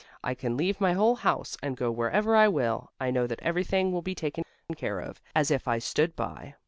I can leave my whole house and go wherever I will, I know that everything will be taken care of, as if I stood by.